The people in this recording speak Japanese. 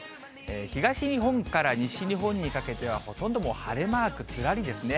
東日本から西日本にかけては、ほとんどもう晴れマークずらりですね。